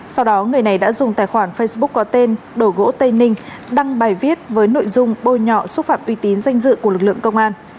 sau đó người này đã dùng tài khoản facebook có tên đồ gỗ tây ninh đăng bài viết với nội dung bôi nhọ xúc phạm uy tín danh dự của lực lượng công an